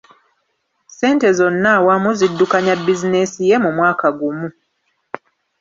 Ssente zonna awamu ziddukanya bizinensi ye mu mwaka gumu.